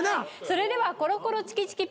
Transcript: それではコロコロチキチキ